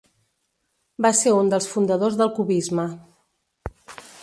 Va ser un dels fundadors del cubisme.